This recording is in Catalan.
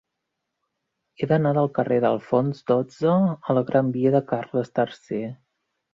He d'anar del carrer d'Alfons dotze a la gran via de Carles III.